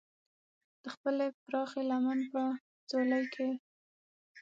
د خپلې پراخې لمن په ځولۍ کې.